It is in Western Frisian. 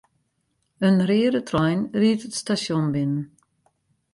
In reade trein ried it stasjon binnen.